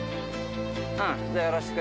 うんじゃあよろしく。